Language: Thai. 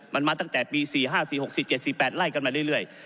มันมาตั้งแต่ปี๔๕๔๖๔๗๔๘ไล่กันมาเรื่อย